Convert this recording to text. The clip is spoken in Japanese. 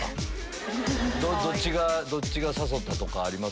どっちが誘ったとかあります？